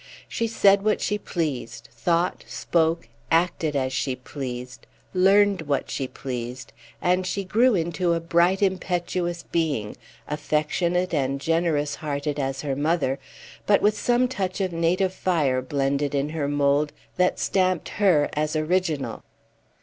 She said what she pleased; thought, spoke, acted as she pleased; learned what she pleased; and she grew into a bright, impetuous being, affectionate and generous hearted as her mother, but with some touch of native fire blended in her mould that stamped her as original.